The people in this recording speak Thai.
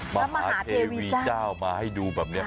ก็เอาพระมหาเทวีเจ้ามาให้ดู